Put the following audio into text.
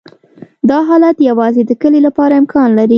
دا حالت یوازې د کلې لپاره امکان لري